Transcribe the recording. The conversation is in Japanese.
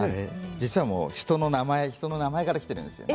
実は人の名前からきているんですよ。